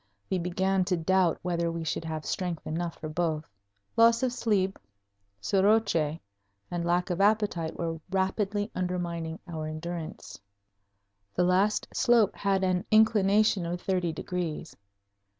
We began to doubt whether we should have strength enough for both. Loss of sleep, soroche, and lack of appetite were rapidly undermining our endurance. The last slope had an inclination of thirty degrees.